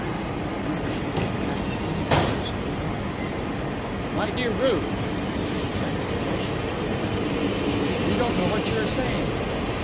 "I wonder she didn't pack her things and go straight off." "My dear Ruth!" "That is what I should have done." "You don't know what you are saying."